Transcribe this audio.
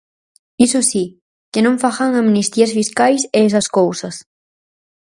Iso si, que non fagan amnistías fiscais e esas cousas.